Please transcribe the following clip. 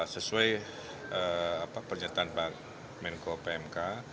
sesuai pernyataan pak menko pmk